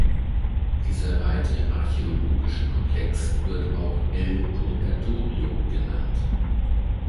Dieser weite archäologische Komplex wird auch El Purgatorio genannt.